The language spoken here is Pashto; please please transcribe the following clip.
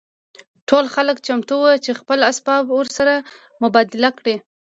ټول خلک چمتو وو چې خپل اسباب ورسره مبادله کړي